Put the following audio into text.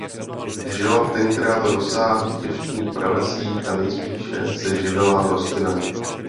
Žila v tenkrát rozsáhlých deštných pralesích a nejspíše se živila rostlinami.